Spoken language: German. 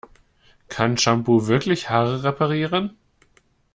Kann Shampoo wirklich Haare reparieren?